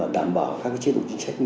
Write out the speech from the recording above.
đảm bảo các chế độ chính sách